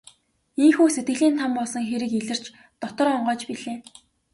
Ийнхүү сэтгэлийн там болсон хэрэг илэрч дотор онгойж билээ.